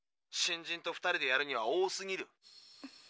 新人と２人でやるには多すぎる。